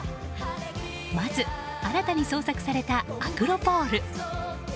まず、新たに創作されたアクロ・ポール。